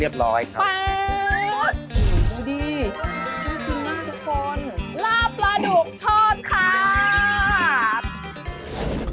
ลาปลาดุกทอดค่ะ